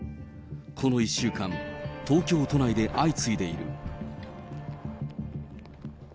この１週間、東京都内で相次いでいる。